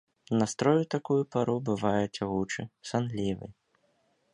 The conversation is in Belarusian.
Настрой у такую пару бывае цягучы, санлівы.